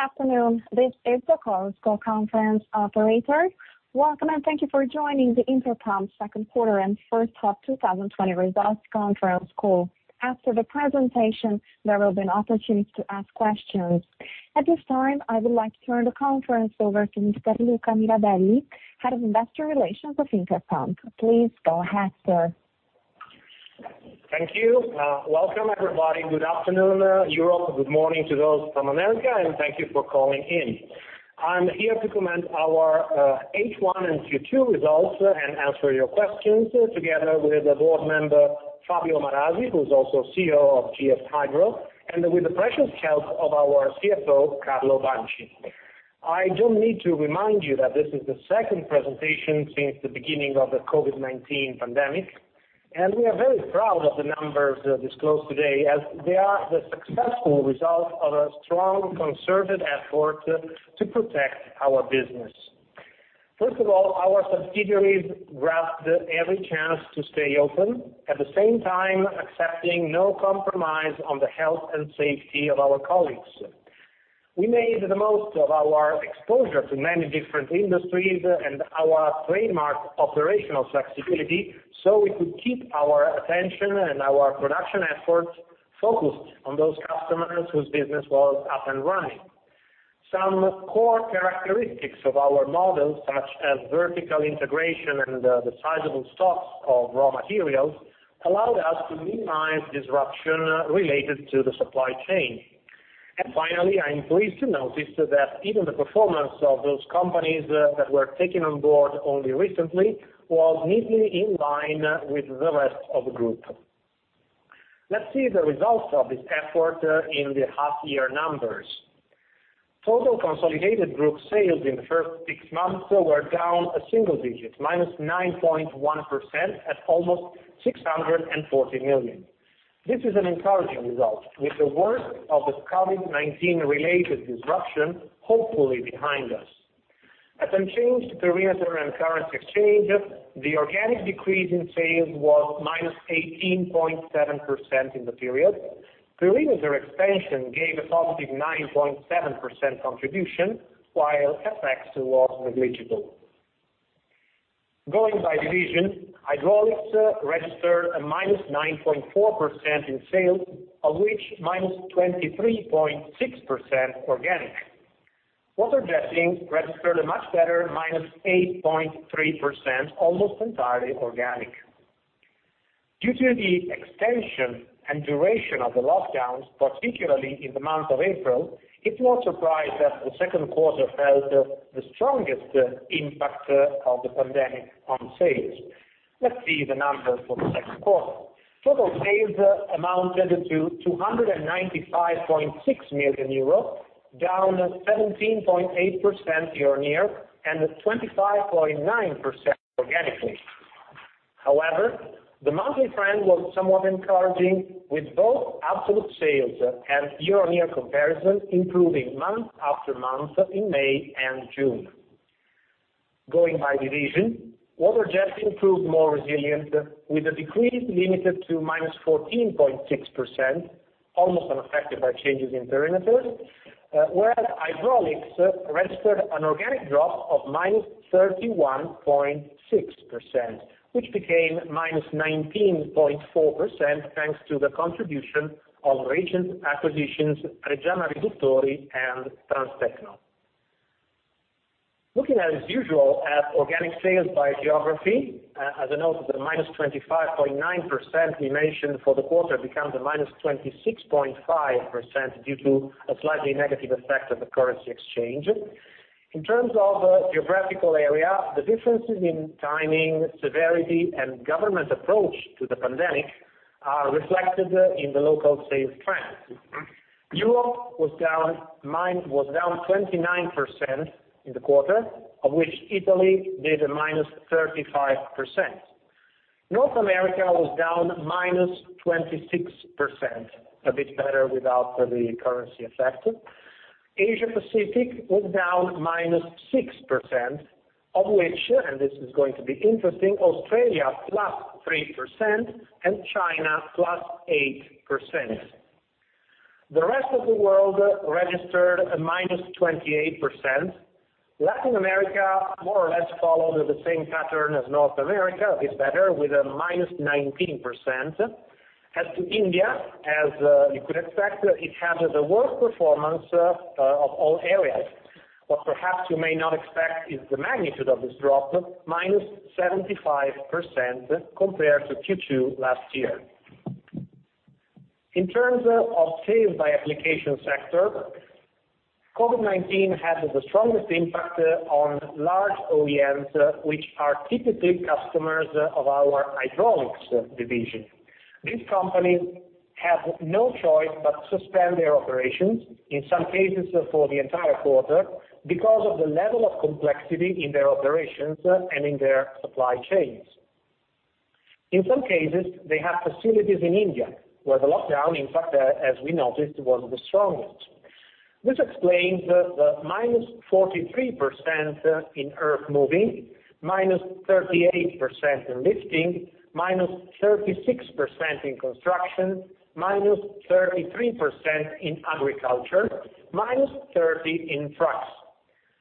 Good afternoon. This is the call's conference operator. Welcome, and thank you for joining the Interpump Second Quarter and First Half 2020 Results Conference Call. After the presentation, there will be an opportunity to ask questions. At this time, I would like to turn the conference over to Mr. Luca Mirabelli, Head of Investor Relations of Interpump. Please go ahead, sir. Thank you. Welcome, everybody. Good afternoon, Europe. Good morning to those from America, thank you for calling in. I'm here to comment our H1 and Q2 results and answer your questions together with a board member, Fabio Marasi, who's also CEO of GS-Hydro, and with the precious help of our CFO, Carlo Banci. I don't need to remind you that this is the second presentation since the beginning of the COVID-19 pandemic, and we are very proud of the numbers disclosed today, as they are the successful result of a strong, concerted effort to protect our business. First of all, our subsidiaries grabbed every chance to stay open, at the same time, accepting no compromise on the health and safety of our colleagues. We made the most of our exposure to many different industries and our trademark operational flexibility, so we could keep our attention and our production efforts focused on those customers whose business was up and running. Some core characteristics of our model, such as vertical integration and the sizable stocks of raw materials, allowed us to minimize disruption related to the supply chain. Finally, I am pleased to notice that even the performance of those companies that were taken on board only recently was neatly in line with the rest of the group. Let's see the results of this effort in the half year numbers. Total consolidated group sales in the first six months were down a single-digit, -9.1% at almost 640 million. This is an encouraging result with the worst of the COVID-19 related disruption hopefully behind us. At unchanged perimeters and currency exchange, the organic decrease in sales was -18.7% in the period. Perimeter expansion gave a +9.7% contribution, while FX was negligible. Going by division, hydraulics registered a -9.4% in sales, of which -23.6% organic. Water jetting registered a much better -8.3%, almost entirely organic. Due to the extension and duration of the lockdowns, particularly in the month of April, it's no surprise that the second quarter felt the strongest impact of the pandemic on sales. Let's see the numbers for the second quarter. Total sales amounted to 295.6 million euros, down 17.8% year-over-year and 25.9% organically. The monthly trend was somewhat encouraging with both absolute sales and year-over-year comparison improving month-over-month in May and June. Going by division, water jet improved more resilient, with a decrease limited to -14.6%, almost unaffected by changes in perimeters. Hydraulics registered an organic drop of -31.6%, which became -19.4% thanks to the contribution of recent acquisitions, Reggiana Riduttori and Transtecno. Looking as usual at organic sales by geography, as a note, the -25.9% we mentioned for the quarter becomes a -26.5% due to a slightly negative effect of the currency exchange. In terms of geographical area, the differences in timing, severity, and government approach to the pandemic are reflected in the local sales trends. Europe was down 29% in the quarter, of which Italy did a -35%. North America was down -26%, a bit better without the currency effect. Asia Pacific was down -6%, of which, and this is going to be interesting, Australia, +3% and China, +8%. The rest of the world registered a -28%. Latin America more or less followed the same pattern as North America, a bit better with a -19%. As to India, as you could expect, it has the worst performance of all areas. What perhaps you may not expect is the magnitude of this drop, -75% compared to Q2 last year. In terms of sales by application sector, COVID-19 had the strongest impact on large OEMs, which are typically customers of our hydraulics division. These companies have no choice but suspend their operations, in some cases for the entire quarter, because of the level of complexity in their operations and in their supply chains. In some cases, they have facilities in India, where the lockdown, in fact, as we noticed, was the strongest. This explains the -43% in earthmoving, -38% in lifting, -36% in construction, -33% in agriculture, -30% in trucks.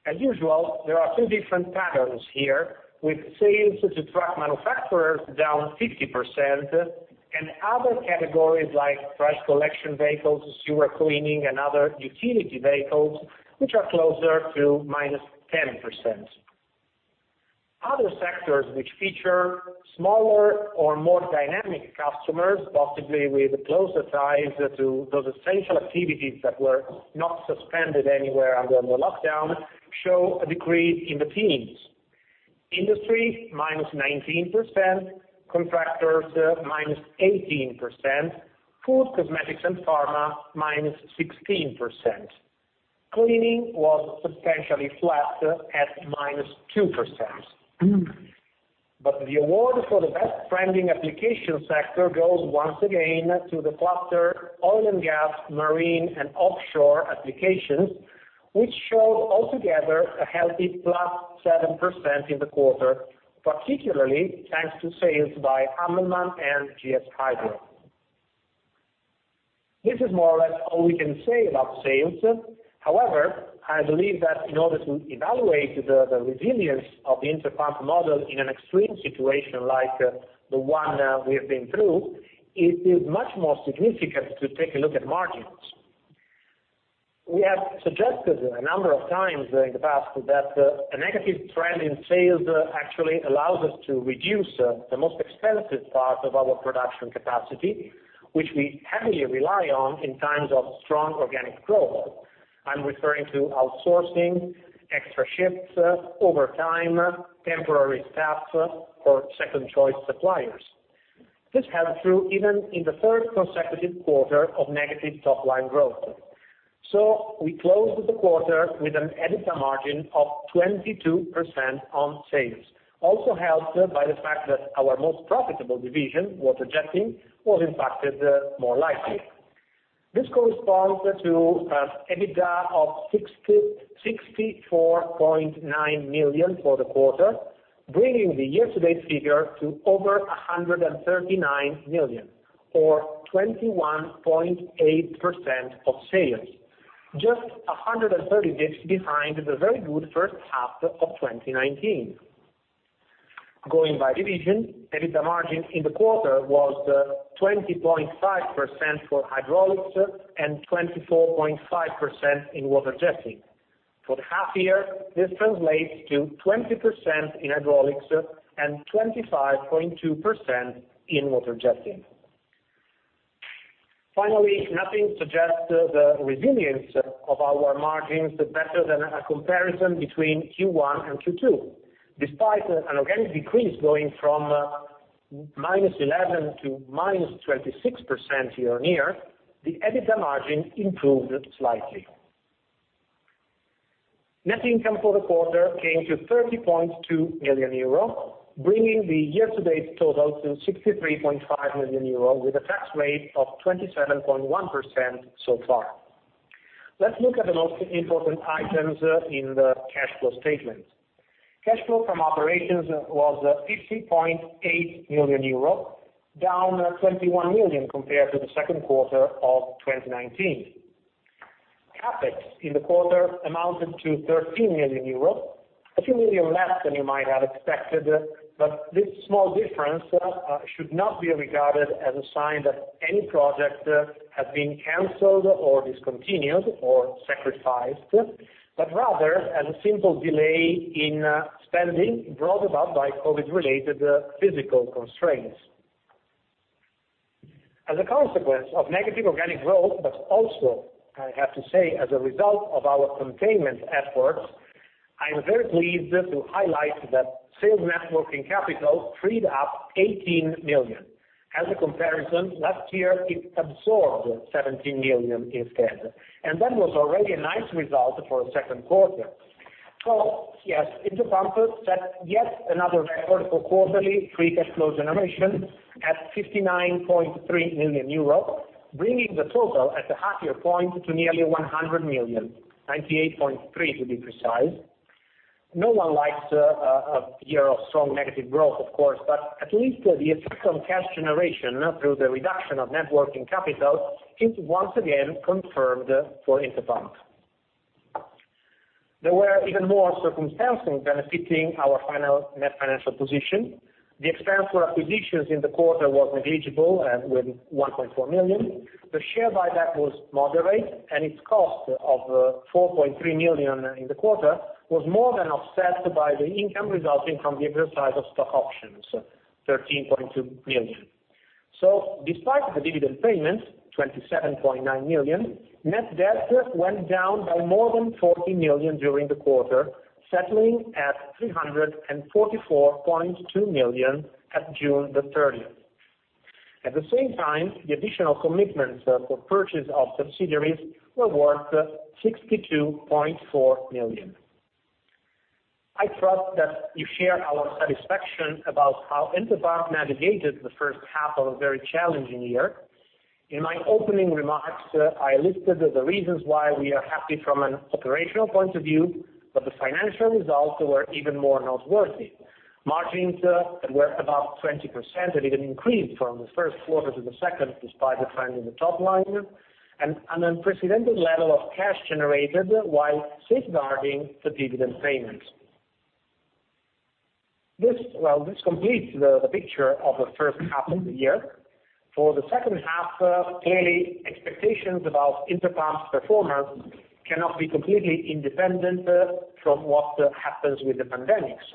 As usual, there are two different patterns here, with sales to truck manufacturers down 50%, and other categories like trash collection vehicles, sewer cleaning, and other utility vehicles, which are closer to -10%. Other sectors which feature smaller or more dynamic customers, possibly with closer ties to those essential activities that were not suspended anywhere under the lockdown, show a decrease in the teens. Industry, -19%, contractors, -18%, food, cosmetics, and pharma, -16%. Cleaning was substantially flat at -2%. The award for the best trending application sector goes once again to the cluster oil and gas, marine, and offshore applications, which showed altogether a healthy +7% in the quarter, particularly thanks to sales by Hammelmann and GS-Hydro. This is more or less all we can say about sales. However, I believe that in order to evaluate the resilience of the Interpump model in an extreme situation like the one we have been through, it is much more significant to take a look at margins. We have suggested a number of times in the past that a negative trend in sales actually allows us to reduce the most expensive part of our production capacity, which we heavily rely on in times of strong organic growth. I'm referring to outsourcing, extra shifts, overtime, temporary staff, or second-choice suppliers. This held true even in the third consecutive quarter of negative top-line growth. We closed the quarter with an EBITDA margin of 22% on sales, also helped by the fact that our most profitable division, water jetting, was impacted more lightly. This corresponds to an EBITDA of 64.9 million for the quarter, bringing the year-to-date figure to over 139 million, or 21.8% of sales. Just 130 basis points behind the very good first half of 2019. Going by division, EBITDA margin in the quarter was 20.5% for hydraulics and 24.5% in water jetting. For the half year, this translates to 20% in hydraulics and 25.2% in water jetting. Finally, nothing suggests the resilience of our margins better than a comparison between Q1 and Q2. Despite an organic decrease going from -11% to -26% year-on-year, the EBITDA margin improved slightly. Net income for the quarter came to 30.2 million euro, bringing the year-to-date total to 63.5 million euro, with a tax rate of 27.1% so far. Let's look at the most important items in the cash flow statement. Cash flow from operations was 50.8 million euro, down 21 million compared to second quarter of 2019. CapEx in the quarter amounted to 13 million euros, a few million less than you might have expected, but this small difference should not be regarded as a sign that any project has been canceled or discontinued or sacrificed, but rather as a simple delay in spending brought about by COVID-19 related physical constraints. As a consequence of negative organic growth, but also, I have to say, as a result of our containment efforts, I am very pleased to highlight that sales net working capital freed up 18 million. As a comparison, last year it absorbed 17 million instead, and that was already a nice result for a Q2. Yes, Interpump set yet another record for quarterly free cash flow generation at 59.3 million euro, bringing the total at the half year point to nearly 100 million, 98.3 to be precise. No one likes a year of strong negative growth, of course, but at least the effect on cash generation through the reduction of net working capital is once again confirmed for Interpump. There were even more circumstances benefiting our net financial position. The expense for acquisitions in the quarter was negligible with 1.4 million. The share buyback was moderate, and its cost of 4.3 million in the quarter was more than offset by the income resulting from the exercise of stock options, 13.2 million. Despite the dividend payment, 27.9 million, net debt went down by more than 40 million during the quarter, settling at 344.2 million on June 30th. At the same time, the additional commitments for purchase of subsidiaries were worth 62.4 million. I trust that you share our satisfaction about how Interpump navigated the first half of a very challenging year. In my opening remarks, I listed the reasons why we are happy from an operational point of view, but the financial results were even more noteworthy. Margins were above 20% and even increased from the first quarter to the second, despite the trend in the top line, and an unprecedented level of cash generated while safeguarding the dividend payment. Well, this completes the picture of the first half of the year. For the second half, clearly, expectations about Interpump's performance cannot be completely independent from what happens with the pandemics.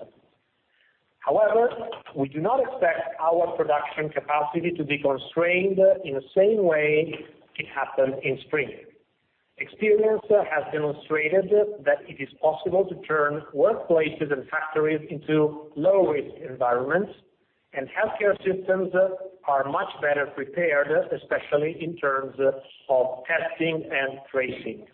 However, we do not expect our production capacity to be constrained in the same way it happened in spring. Experience has demonstrated that it is possible to turn workplaces and factories into low-risk environments, and healthcare systems are much better prepared, especially in terms of testing and tracing.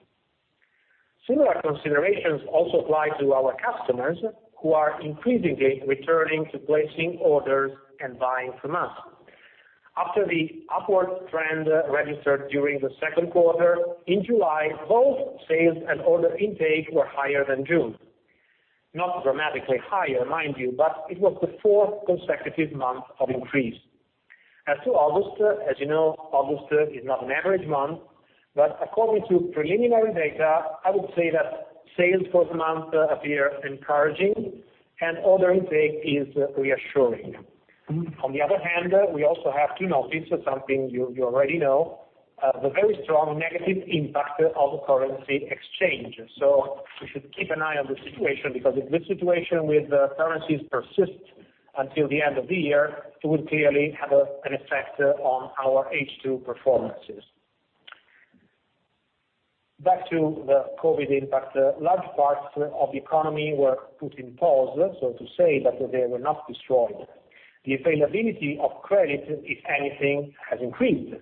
Similar considerations also apply to our customers, who are increasingly returning to placing orders and buying from us. After the upward trend registered during the second quarter, in July, both sales and order intake were higher than June. Not dramatically higher, mind you, but it was the fourth consecutive month of increase. As to August, as you know, August is not an average month, but according to preliminary data, I would say that sales for the month appear encouraging, and order intake is reassuring. On the other hand, we also have to notice something you already know, the very strong negative impact of currency exchange. We should keep an eye on the situation, because if this situation with currencies persists until the end of the year, it will clearly have an effect on our H2 performances. Back to the COVID impact. Large parts of the economy were put on pause, so to say, but they were not destroyed. The availability of credit, if anything, has increased.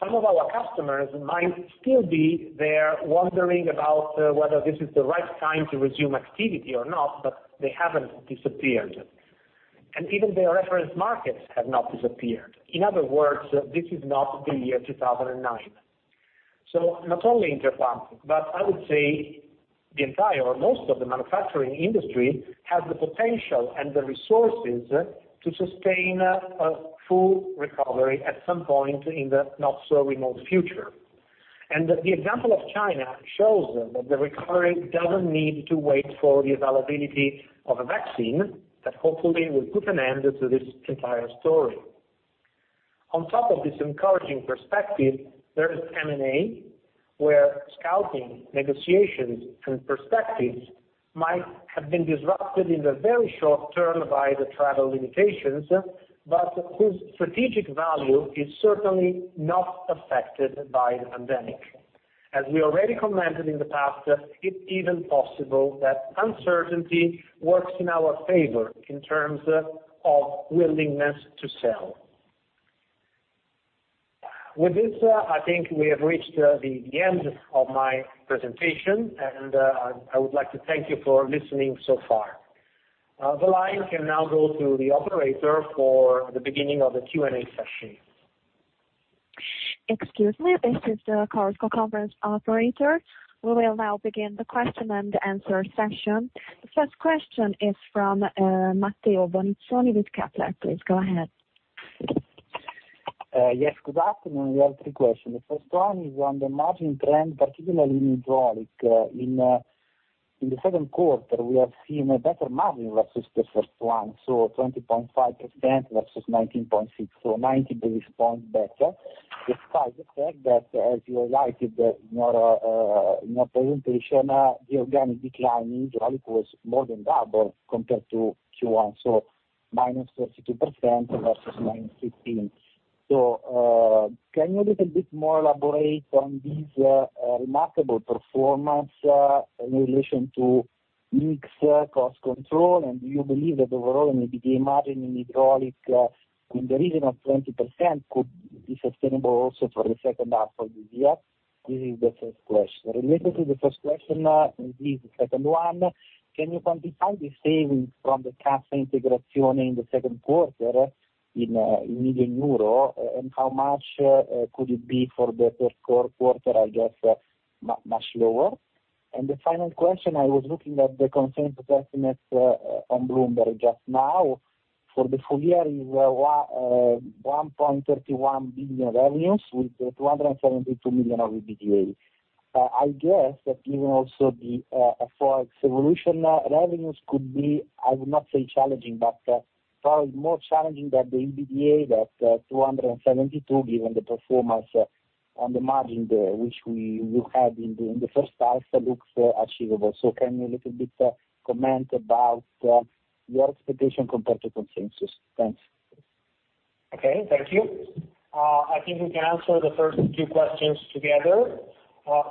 Some of our customers might still be there wondering about whether this is the right time to resume activity or not, but they haven't disappeared. Even their reference markets have not disappeared. In other words, this is not the year 2009. Not only Interpump, but I would say the entire or most of the manufacturing industry, has the potential and the resources to sustain a full recovery at some point in the not-so-remote future. The example of China shows that the recovery doesn't need to wait for the availability of a vaccine, that hopefully will put an end to this entire story. On top of this encouraging perspective, there is M&A, where scouting, negotiations, and perspectives might have been disrupted in the very short term by the travel limitations, but whose strategic value is certainly not affected by the pandemic. As we already commented in the past, it's even possible that uncertainty works in our favor in terms of willingness to sell. With this, I think we have reached the end of my presentation, and I would like to thank you for listening so far. The line can now go to the operator for the beginning of the Q&A session. Excuse me. The first question is from Matteo Bonizzoni with Kepler Cheuvreux. Please go ahead. Yes, good afternoon. We have three questions. The first one is on the margin trend, particularly in hydraulic. In the second quarter, we have seen a better margin versus the first one, so 20.5% versus 19.6%, so 90 basis points better, despite the fact that, as you highlighted in your presentation, the organic decline in hydraulic was more than double compared to Q1, so -32% versus -15%. Can you elaborate a little bit more on this remarkable performance in relation to mix cost control? Do you believe that overall, maybe the margin in hydraulic in the region of 20% could be sustainable also for the second half of the year? This is the first question. Related to the first question, this is the second one, can you quantify the savings from the Cassa Integrazione in the second quarter in million EUR? And how much could it be for the third quarter? I guess much lower. The final question, I was looking at the consensus estimates on Bloomberg just now. For the full year is 1.31 billion revenues with 272 million of EBITDA. I guess that even also the Forex evolution revenues could be, I would not say challenging, but probably more challenging than the EBITDA, that 272 million, given the performance on the margin, which we will have in the first half looks achievable. So can you comment a little bit about your expectation compared to consensus? Thanks. Okay. Thank you. I think we can answer the first two questions together. Savings from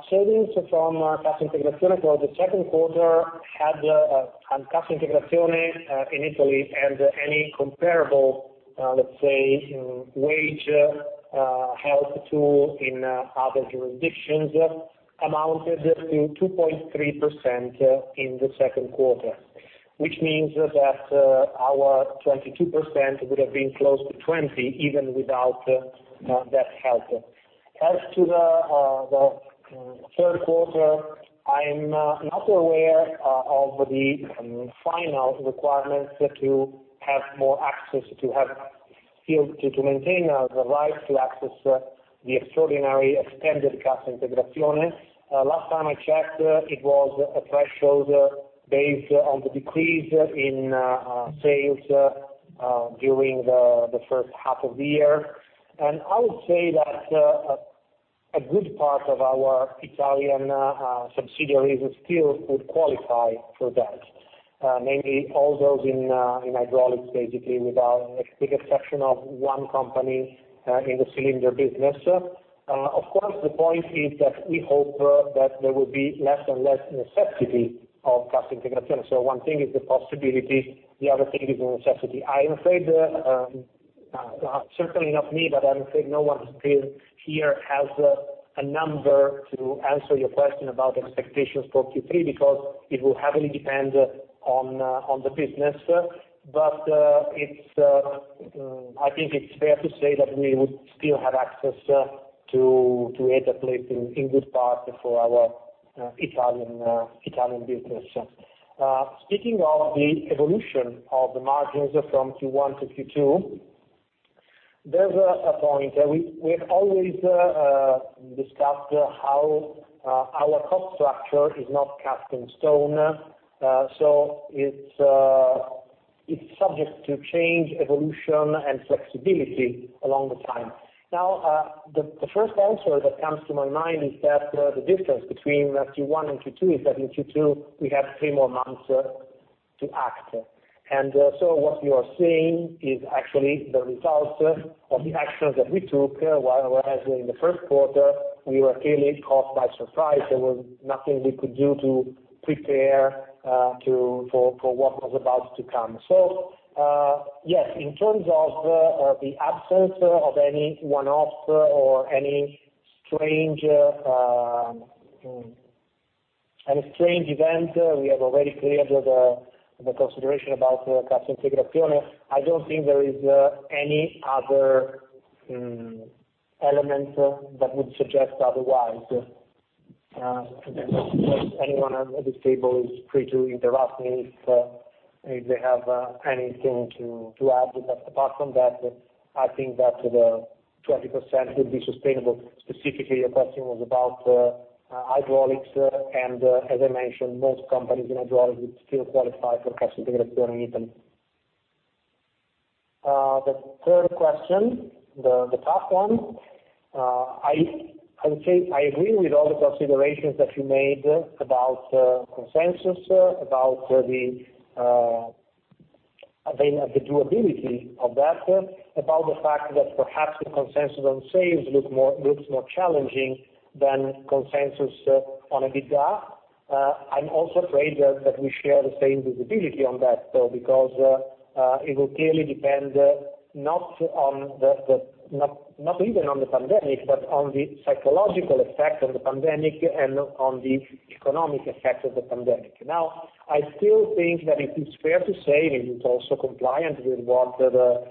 Cassa Integrazione for the second quarter had Cassa Integrazione in Italy and any comparable, let's say, wage help too in other jurisdictions, amounted to 2.3% in the second quarter, which means that our 22% would have been close to 20% even without that help. As to the third quarter, I am not aware of the final requirements to have more access to help still to maintain the right to access the extraordinary extended Cassa Integrazione. Last time I checked, it was a threshold based on the decrease in sales during the first half of the year. I would say that a good part of our Italian subsidiaries still would qualify for that. Mainly all those in hydraulics, basically, with the exception of one company in the cylinder business. Of course, the point is that we hope that there will be less and less necessity of Cassa Integrazione. One thing is the possibility, the other thing is the necessity. Certainly not me, but I would say no one here has a number to answer your question about expectations for Q3, because it will heavily depend on the business. I think it's fair to say that we would still have access to aid, at least, in good part for our Italian business. Speaking of the evolution of the margins from Q1 to Q2, there's a point. We have always discussed how our cost structure is not cast in stone. It's subject to change, evolution, and flexibility along the time. Now, the first answer that comes to my mind is that the difference between Q1 and Q2 is that in Q2 we have three more months to act. What you are seeing is actually the results of the actions that we took, whereas in the first quarter, we were clearly caught by surprise. There was nothing we could do to prepare for what was about to come. Yes, in terms of the absence of any one-off or any strange event, we have already cleared the consideration about Cassa Integrazione. I don't think there is any other element that would suggest otherwise. Anyone at this table is free to interrupt me if they have anything to add. I think that the 20% will be sustainable. Specifically, your question was about hydraulics, and as I mentioned, most companies in hydraulics would still qualify for Cassa Integrazione in Italy. The third question, the tough one. I agree with all the considerations that you made about consensus, about the durability of that, about the fact that perhaps the consensus on sales looks more challenging than consensus on EBITDA. I'm also afraid that we share the same visibility on that, though, because it will clearly depend, not even on the pandemic, but on the psychological effect of the pandemic and on the economic effect of the pandemic. Now, I still think that it is fair to say, and it's also compliant with what the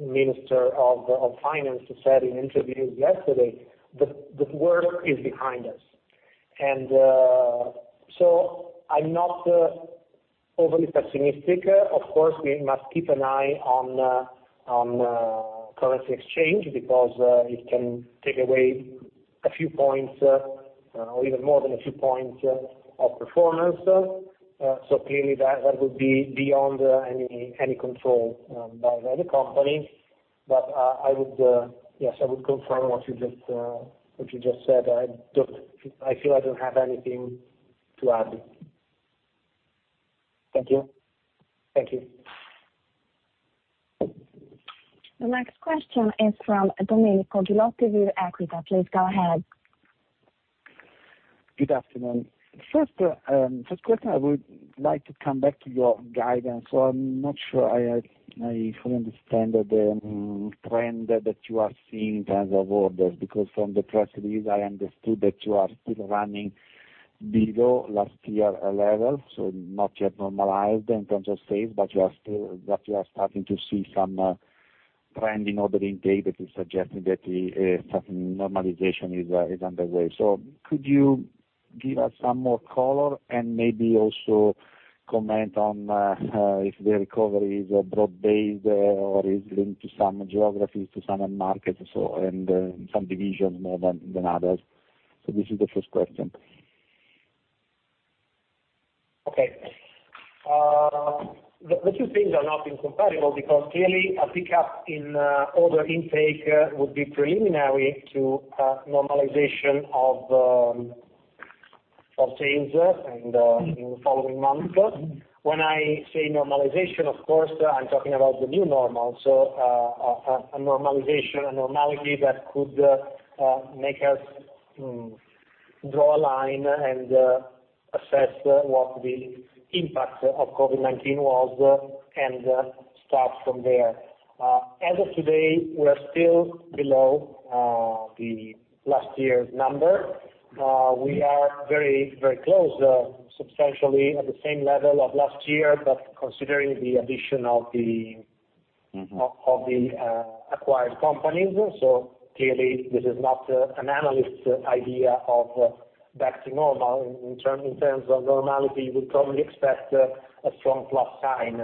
Minister of Finance said in interviews yesterday, the worst is behind us. I'm not overly pessimistic. Of course, we must keep an eye on currency exchange, because it can take away a few points, or even more than a few points of performance. Clearly that would be beyond any control by the company. Yes, I would confirm what you just said. I feel I don't have anything to add. Thank you. Thank you. The next question is from Domenico Ghilotti with Equita SIM. Please go ahead. Good afternoon. First question, I would like to come back to your guidance. I am not sure I fully understand the trend that you are seeing in terms of orders, because from the press release, I understood that you are still running below last year level, not yet normalized in terms of sales, but you are starting to see some trending ordering data to suggest that some normalization is underway. Could you give us some more color and maybe also comment on if the recovery is broad based or is linked to some geographies, to some markets, and some divisions more than others? This is the first question. Okay. The two things are not incomparable, because clearly a pickup in order intake would be preliminary to a normalization of sales in the following months. When I say normalization, of course, I'm talking about the new normal. A normality that could make us draw a line and assess what the impact of COVID-19 was and start from there. As of today, we are still below the last year's number. We are very close, substantially at the same level of last year, but considering the addition of the acquired companies. Clearly, this is not an analyst idea of back to normal. In terms of normality, you would probably expect a strong plus sign.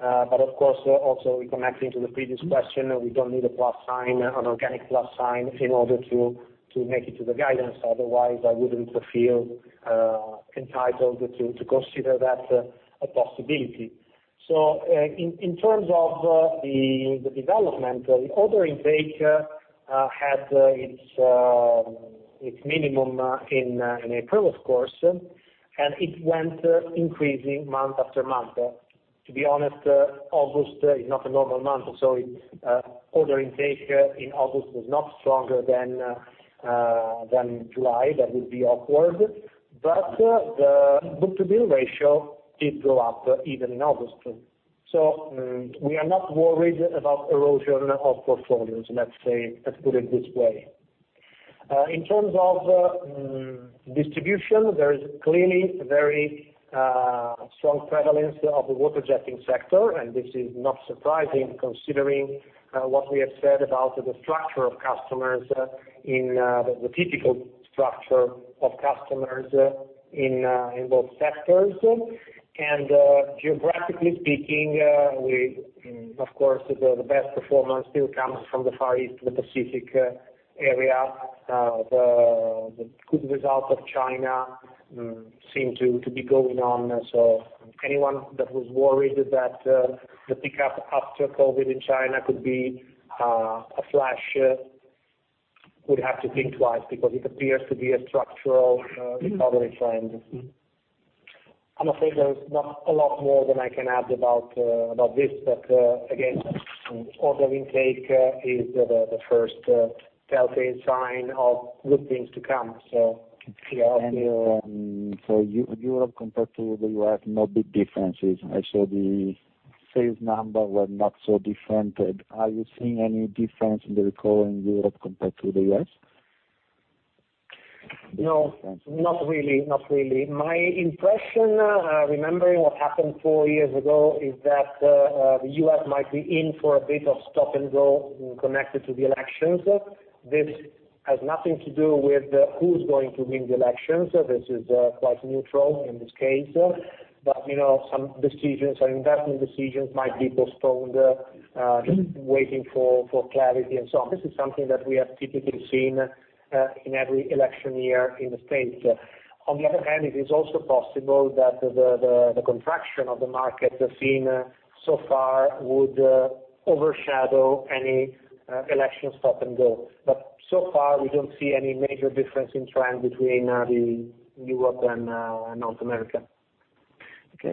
Of course, also connecting to the previous question, we don't need an organic plus sign in order to make it to the guidance, otherwise I wouldn't feel entitled to consider that a possibility. In terms of the development, the order intake had its minimum in April, of course, and it went increasing month after month. To be honest, August is not a normal month, so order intake in August was not stronger than July. That would be awkward. The book-to-bill ratio did go up even in August. We are not worried about erosion of portfolios, let's put it this way. In terms of distribution, there is clearly a very strong prevalence of the water jetting sector, and this is not surprising considering what we have said about the typical structure of customers in both sectors. Geographically speaking, of course, the best performance still comes from the Far East, the Pacific area. The good result of China seems to be going on. Anyone that was worried that the pickup after COVID in China could be a flash would have to think twice, because it appears to be a structural recovery trend. I'm afraid there is not a lot more that I can add about this. Again, order intake is the first telltale sign of good things to come. Clear up here. For Europe compared to the U.S., no big differences. I saw the sales numbers were not so different. Are you seeing any difference in the recovery in Europe compared to the U.S.? No, not really. My impression, remembering what happened four years ago, is that the U.S. might be in for a bit of stop and go, connected to the elections. This has nothing to do with who's going to win the elections. This is quite neutral in this case. Some investment decisions might be postponed, waiting for clarity and so on. This is something that we have typically seen in every election year in the States. On the other hand, it is also possible that the contraction of the market seen so far would overshadow any election stop and go. So far, we don't see any major difference in trend between Europe and North America.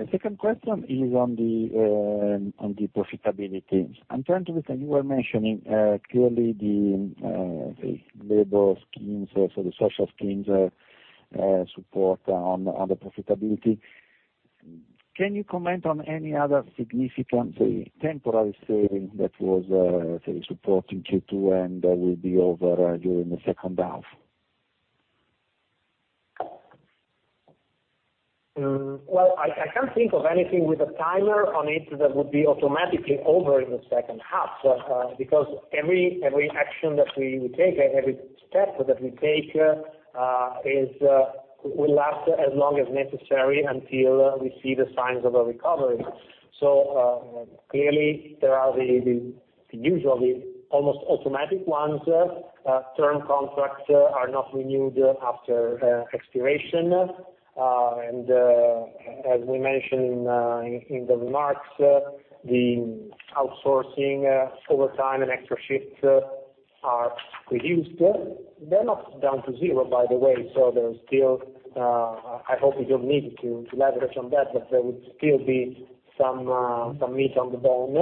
Second question is on the profitability. I'm trying to listen. You were mentioning clearly the labor schemes, so the social schemes support on the profitability. Can you comment on any other significant temporal saving that was supporting Q2 and will be over during the second half? Well, I can't think of anything with a timer on it that would be automatically over in the second half, because every action that we take, every step that we take, will last as long as necessary until we see the signs of a recovery. Clearly, there are the usual, the almost automatic ones. Term contracts are not renewed after expiration. As we mentioned in the remarks, the outsourcing overtime and extra shifts are reduced. They're not down to zero, by the way. I hope we don't need to leverage on that, but there would still be some meat on the bone.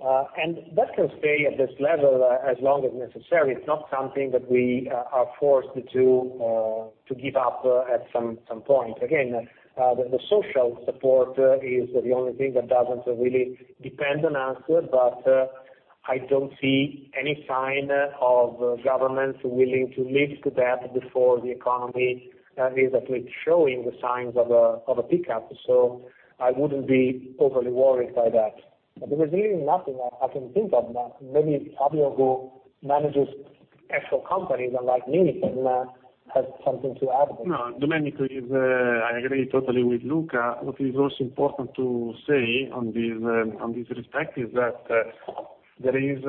That can stay at this level as long as necessary. It's not something that we are forced to give up at some point. The social support is the only thing that doesn't really depend on us, but I don't see any sign of governments willing to lift that before the economy is at least showing the signs of a pickup. I wouldn't be overly worried by that. There is really nothing I can think of. Maybe Fabio, who manages actual companies unlike me, can add something to add. No, Domenico, I agree totally with Luca. What is also important to say on this respect is that there is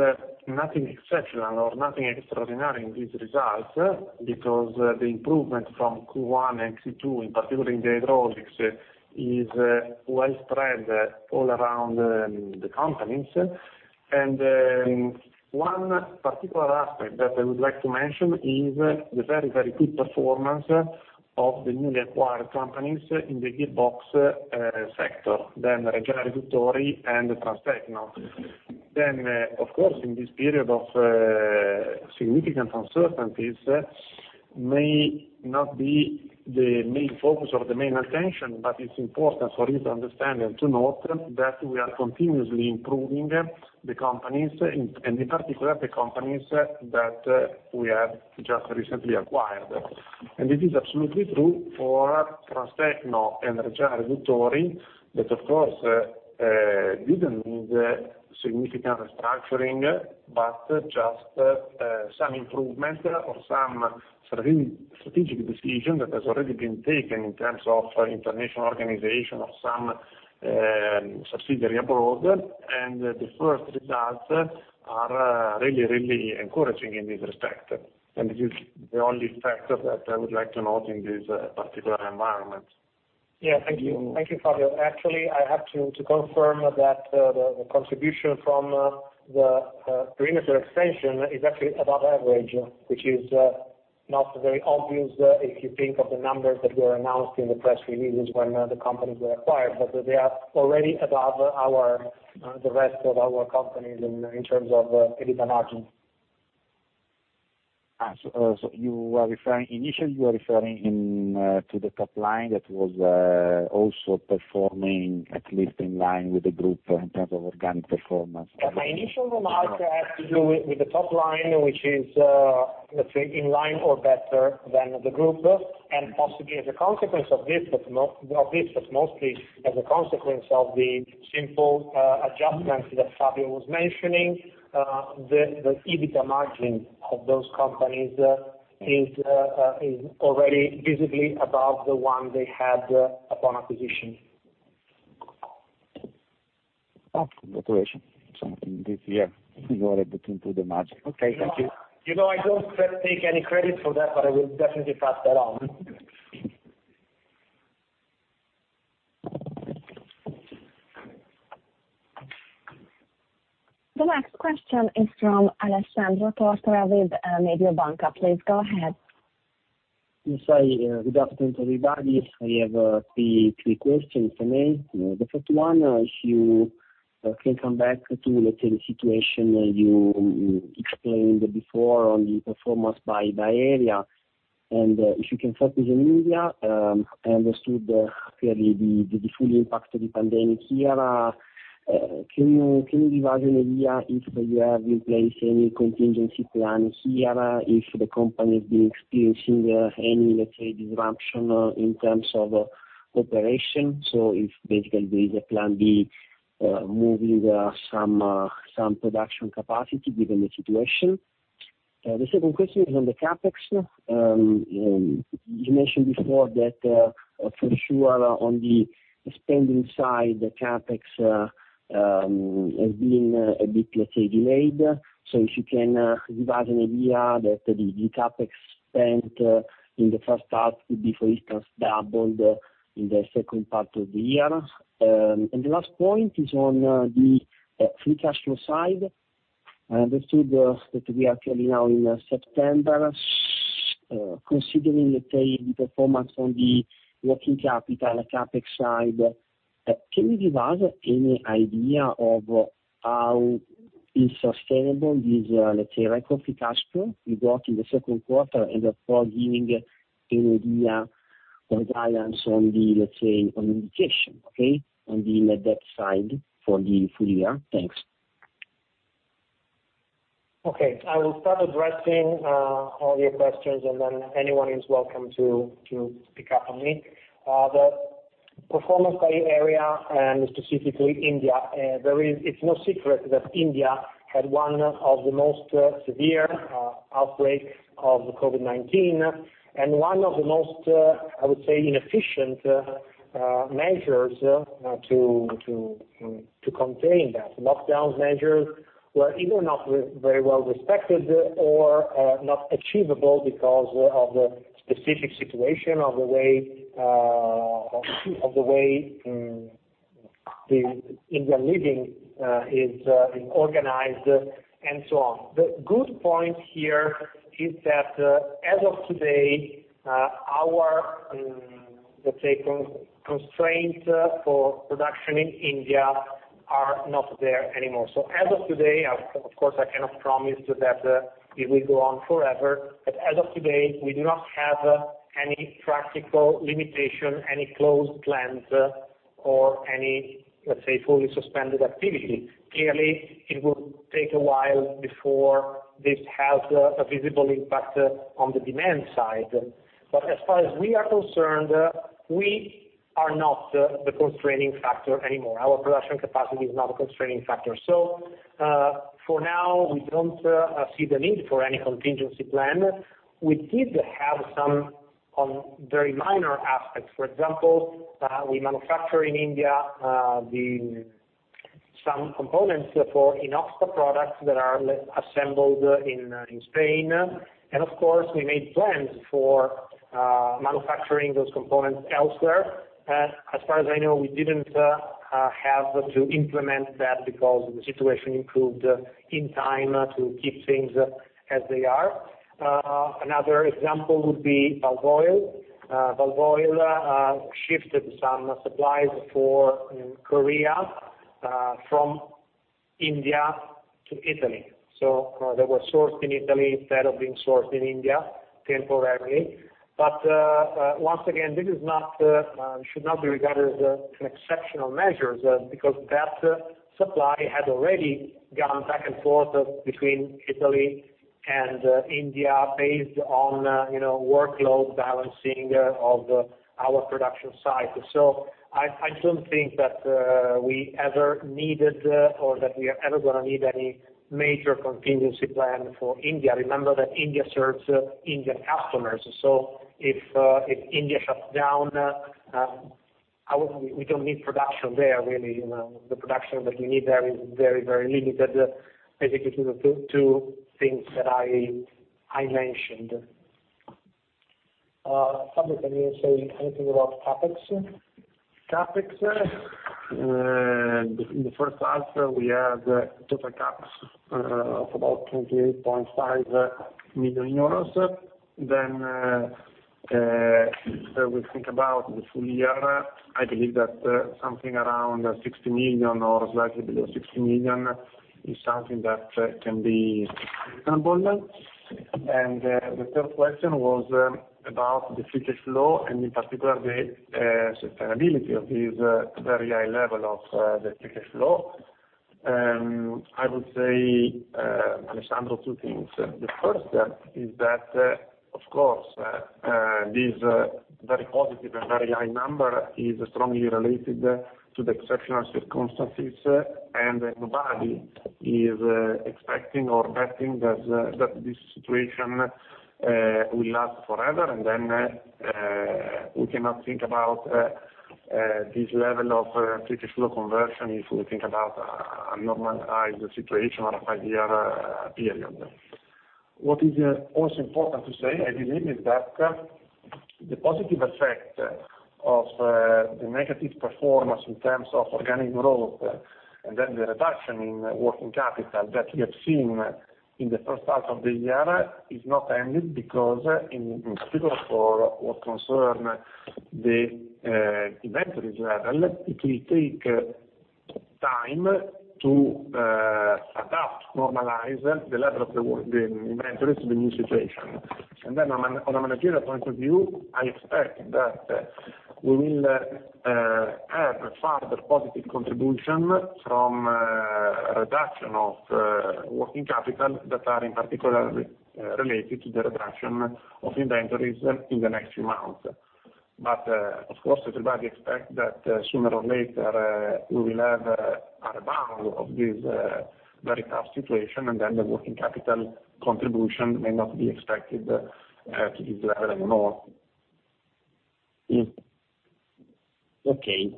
nothing exceptional or nothing extraordinary in these results, because the improvement from Q1 and Q2, in particular in the hydraulics, is well spread all around the companies. One particular aspect that I would like to mention is the very, very good performance of the newly acquired companies in the gearbox sector, then Reggiana Riduttori and Transtecno. Of course, in this period of significant uncertainties. May not be the main focus or the main attention, but it's important for easy understanding to note that we are continuously improving the companies, and in particular, the companies that we have just recently acquired. This is absolutely true for Transtecno and Reggiana Riduttori, that, of course, didn't need significant restructuring, but just some improvement or some strategic decision that has already been taken in terms of international organization of some subsidiary abroad. The first results are really, really encouraging in this respect. This is the only factor that I would like to note in this particular environment. Yeah. Thank you, Fabio. Actually, I have to confirm that the contribution from the perimeter extension is actually above average, which is not very obvious if you think of the numbers that were announced in the press releases when the companies were acquired, but they are already above the rest of our companies in terms of EBITDA margin. Initially, you are referring to the top line that was also performing at least in line with the group in terms of organic performance. My initial remark had to do with the top line, which is, let's say, in line or better than the group. Possibly as a consequence of this, but mostly as a consequence of the simple adjustments that Fabio was mentioning, the EBITDA margin of those companies is already visibly above the one they had upon acquisition. Oh, congratulations. In this year, you are able to improve the margin. Okay, thank you. You know I don't take any credit for that, but I will definitely pass that on. The next question is from Alessandro Tortora with Mediobanca. Please go ahead. Yes. Good afternoon, everybody. I have three questions for me. If you can come back to, let's say, the situation you explained before on the performance by area, and if you can start with India. I understood clearly the full impact of the pandemic here. Can you give us an idea if you have in place any contingency plan here, if the company has been experiencing any, let's say, disruption in terms of operation, so if basically there is a plan B, moving some production capacity given the situation? Second question is on the CapEx. You mentioned before that, for sure on the spending side, the CapEx has been a bit, let's say, delayed. If you can give us an idea that the CapEx spent in the first half could be, for instance, doubled in the second part of the year. The last point is on the free cash flow side. I understood that we are clearly now in September. Considering, let's say, the performance on the working capital and CapEx side, can you give us any idea of how is sustainable this, let's say, record free cash flow you got in the second quarter, and therefore giving an idea or guidance on the, let's say, on indication, okay, on the net debt side for the full year? Thanks. Okay. I will start addressing all your questions, and then anyone is welcome to pick up on me. The performance by area and specifically India, it's no secret that India had one of the most severe outbreaks of COVID-19 and one of the most, I would say, inefficient measures to contain that. Lockdowns measures were either not very well respected or not achievable because of the specific situation, of the way India living is organized, and so on. The good point here is that as of today, our, let's say, constraints for production in India are not there anymore. As of today, of course, I cannot promise you that it will go on forever, but as of today, we do not have any practical limitation, any closed plants, or any, let's say, fully suspended activity. Clearly, it will take a while before this has a visible impact on the demand side. As far as we are concerned, we are not the constraining factor anymore. Our production capacity is not a constraining factor. For now, we don't see the need for any contingency plan. We did have some on very minor aspects. For example, we manufacture in India some components for INOXPA products that are assembled in Spain. Of course, we made plans for manufacturing those components elsewhere. As far as I know, we didn't have to implement that because the situation improved in time to keep things as they are. Another example would be Walvoil. Walvoil shifted some supplies for Korea from India to Italy. They were sourced in Italy instead of being sourced in India temporarily. Once again, this should not be regarded as an exceptional measure, because that supply had already gone back and forth between Italy and India based on workload balancing of our production site. I don't think that we ever needed, or that we are ever going to need any major contingency plan for India. Remember that India serves Indian customers, so if India shuts down, we don't need production there really. The production that we need there is very limited. Basically, the two things that I mentioned. Fabio, can you say anything about CapEx? CapEx? In the first half, we had total CapEx of about 28.5 million euros. If we think about the full year, I believe that something around 60 million or slightly below 60 million is something that can be comfortable. The third question was about the free cash flow, and in particular, the sustainability of this very high level of the free cash flow. I would say, Alessandro, two things. The first is that, of course, this very positive and very high number is strongly related to the exceptional circumstances, and nobody is expecting or betting that this situation will last forever. We cannot think about this level of free cash flow conversion if we think about a normalized situation or a five-year period. What is also important to say, I believe, is that the positive effect of the negative performance in terms of organic growth and then the reduction in working capital that we have seen in the first half of the year, is not ended because in particular for what concern the inventories level, it will take time to adapt, normalize the level of the inventories to the new situation. From a managerial point of view, I expect that we will have further positive contribution from a reduction of working capital that are in particular related to the reduction of inventories in the next few months. Of course, everybody expects that sooner or later, we will have a rebound of this very tough situation, and then the working capital contribution may not be expected at this level anymore. Okay.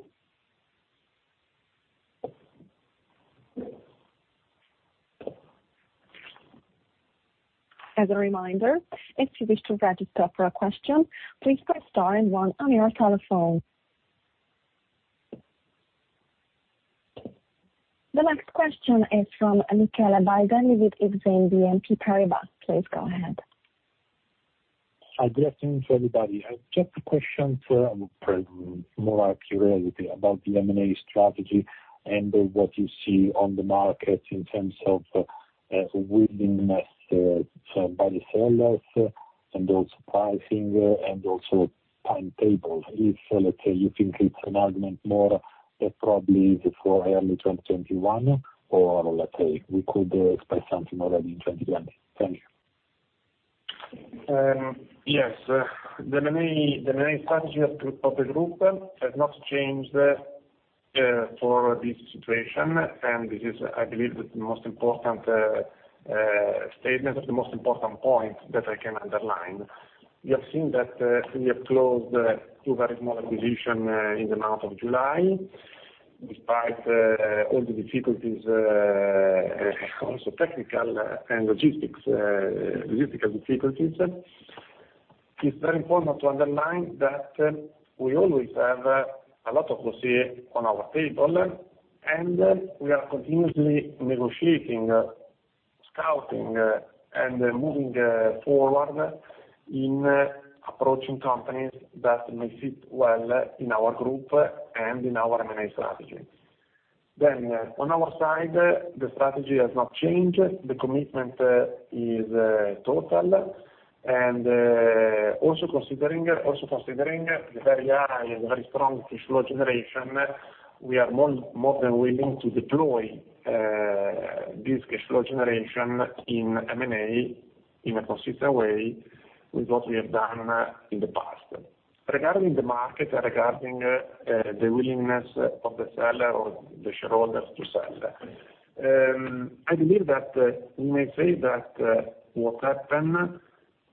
As a reminder, if you wish to register for a question, please press star and one on your telephone. The next question is from Michele Baldelli with BNP Paribas Exane. Please go ahead. Hi. Good afternoon to everybody. Just a question for probably more curiosity about the M&A strategy and what you see on the market in terms of willingness by the sellers and also pricing and also timetables. If, let's say, you think it's an argument more that probably is for early 2021, or let's say we could expect something already in 2020? Thank you. Yes. The M&A strategy of the group has not changed for this situation. This is, I believe, the most important statement or the most important point that I can underline. You have seen that we have closed two very small acquisitions in the month of July, despite all the difficulties, also technical and logistical difficulties. It's very important to underline that we always have a lot of dossiers on our table, and we are continuously negotiating, scouting, and moving forward in approaching companies that may fit well in our group and in our M&A strategy. On our side, the strategy has not changed. The commitment is total. Also considering the very high and very strong free cash flow generation, we are more than willing to deploy this cash flow generation in M&A in a consistent way with what we have done in the past. Regarding the market and regarding the willingness of the seller or the shareholders to sell, I believe that we may say that what happened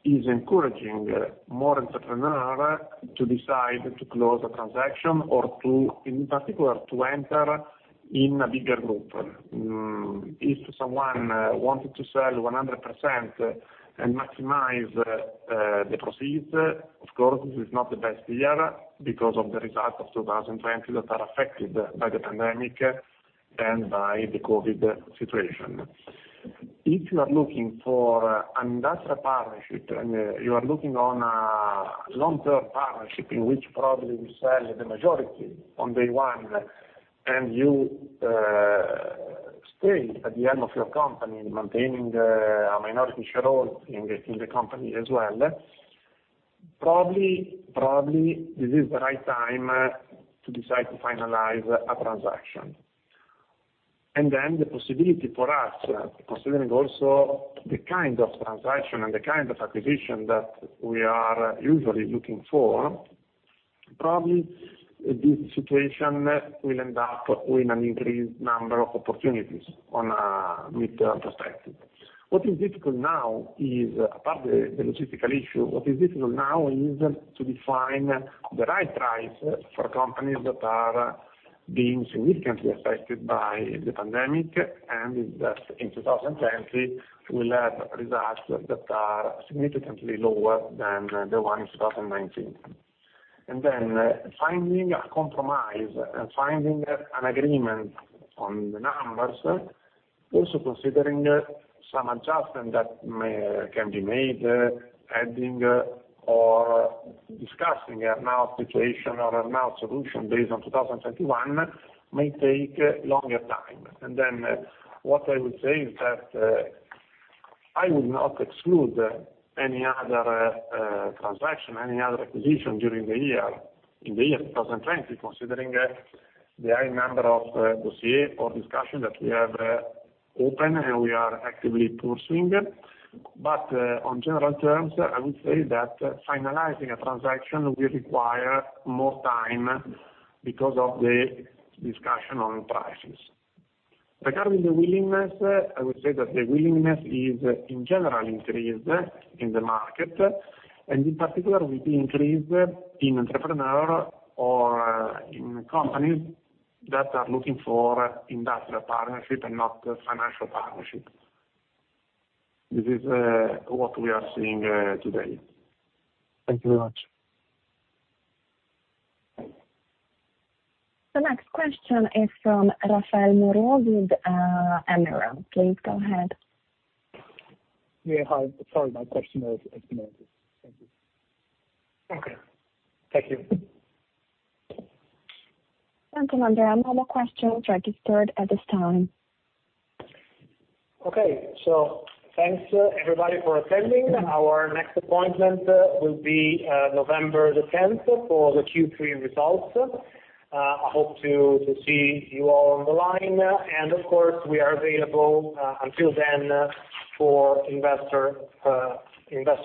is encouraging more entrepreneurs to decide to close a transaction or in particular, to enter in a bigger group. If someone wanted to sell 100% and maximize the proceeds, of course, this is not the best year because of the results of 2020 that are affected by the pandemic and by the COVID situation. If you are looking for an industrial partnership and you are looking on a long-term partnership in which probably we sell the majority on day one, and you stay at the helm of your company, maintaining a minority shareholding in the company as well, probably, this is the right time to decide to finalize a transaction. The possibility for us, considering also the kind of transaction and the kind of acquisition that we are usually looking for, probably this situation will end up with an increased number of opportunities on a midterm perspective. What is difficult now is, apart the logistical issue, what is difficult now is to define the right price for companies that are being significantly affected by the pandemic, and that in 2020 will have results that are significantly lower than the one in 2019. Finding a compromise and finding an agreement on the numbers, also considering some adjustment that can be made, adding or discussing earn-out situation or earn out solution based on 2021 may take longer time. Then what I would say is that, I would not exclude any other transaction, any other acquisition during the year, in the year 2020, considering the high number of dossiers or discussion that we have open and we are actively pursuing. On general terms, I would say that finalizing a transaction will require more time because of the discussion on prices. Regarding the willingness, I would say that the willingness is in general increased in the market, and in particular will be increased in entrepreneur or in companies that are looking for industrial partnership and not financial partnership. This is what we are seeing today. Thank you very much. The next question is from Raphaël Moreau with Amiral Gestion. Please go ahead. Yeah. Hi, sorry, my question has been answered. Thank you. Okay. Thank you. Thank you. No other questions registered at this time. Okay, thanks everybody for attending. Our next appointment will be November the 10th for the Q3 results. I hope to see you all on the line. Of course, we are available until then for investor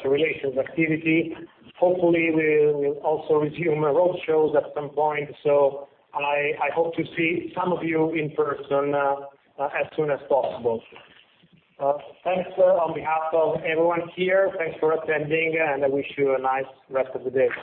relations activity. Hopefully, we will also resume roadshows at some point. I hope to see some of you in person, as soon as possible. Thanks on behalf of everyone here. Thanks for attending, and I wish you a nice rest of the day.